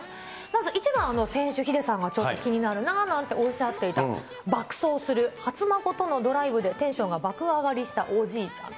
まず１番、先週、ヒデさんがちょっと気になるななんておっしゃっていた、爆走する初孫とのドライブで、テンションが爆上がりしたおじいちゃん。